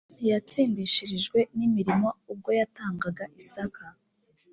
ntiyatsindishirijwe n imirimo ubwo yatangaga isaka